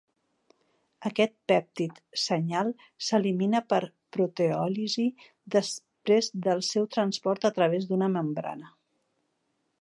Aquest pèptid senyal s'elimina per proteòlisi després del seu transport a través d'una membrana.